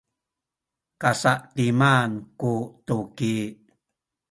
kasa’timan tu tuki